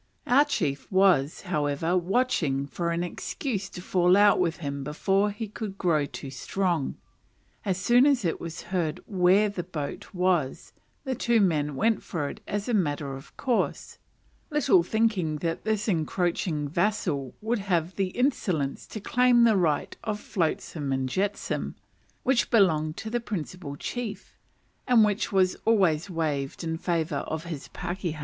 Our chief was, however, watching for an excuse to fall out with him before he should grow too strong. As soon as it was heard where the boat was, the two men went for it as a matter of course; little thinking that this encroaching vassal would have the insolence to claim the right of "flotsam and jetsam," which belonged to the principal chief, and which was always waived in favour of his pakehas.